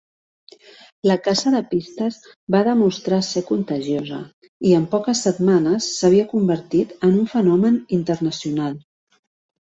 La caça de pistes va demostrar ser contagiosa i, en poques setmanes, s'havia convertit en un fenomen internacional.